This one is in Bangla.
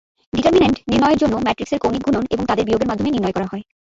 ডিটারমিনেন্ট নির্ণয়য়ের জন্য ম্যাট্রিক্সের কৌণিক গুনন এবং তাদের বিয়গের মাধ্যমে নির্ণয় করা হয়।